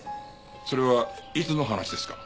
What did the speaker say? それはいつの話ですか？